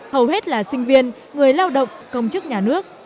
hầu hết là sinh viên người lao động công chức nhà nước